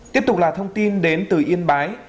tiếp tục là thông tin đến từ yên bái